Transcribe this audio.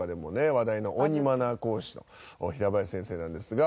話題の鬼マナー講師の平林先生なんですが。